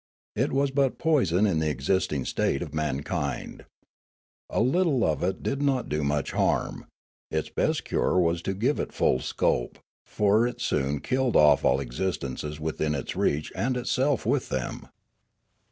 It was but poison in the existing state of mankind. A Httle of it did not do much harm. Its best cure was to give it full scope, for it soon killed off all existences within its reach and itself with them.